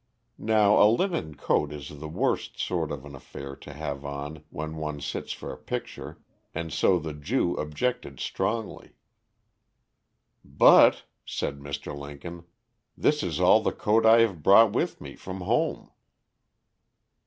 Now a linen coat is the worst sort of an affair to have on when one sits for a picture; and so the Jew objected strongly. "But," said Mr. Lincoln, "this is all the coat I have brought with me from home."